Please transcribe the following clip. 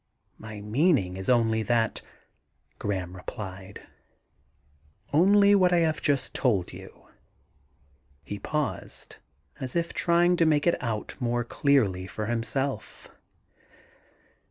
* My meaning is only that,' Graham replied ;* only what I have just told you.' He paused as if trying to make it out more clearly for himself.